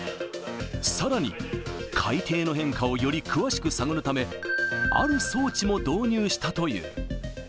さらに、海底の変化をより詳しく探るため、ある装置も導入したという。